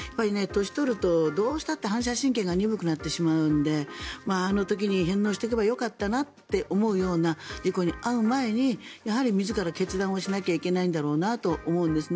年を取ると、どうやったって反射神経が鈍くなってしまうのであの時に返納しておけばよかったなと思うような事故に遭う前にやはり自ら決断をしなきゃいけないんだろうと思うんです。